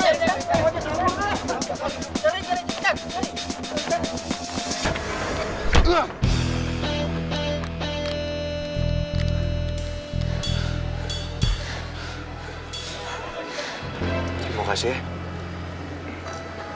terima kasih ya